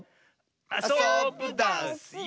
あそぶダスよ！